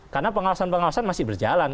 karena pengawasan pengawasan masih berjalan